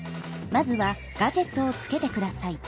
まずはガジェットをつけてください。